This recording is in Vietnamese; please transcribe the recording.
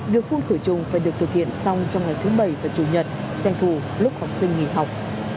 việc phun khử trùng phải được thực hiện xong trong ngày thứ bảy và chủ nhật tranh thủ lúc học sinh nghỉ học